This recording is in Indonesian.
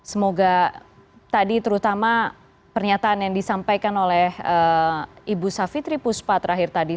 semoga tadi terutama pernyataan yang disampaikan oleh ibu savitri puspa terakhir tadi